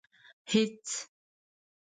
هېڅ.